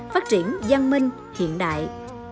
phát triển giang minh hiện đại